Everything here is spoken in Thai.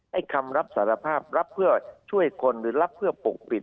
ให้คำรับสารภาพรับเพื่อช่วยคนหรือรับเพื่อปกปิด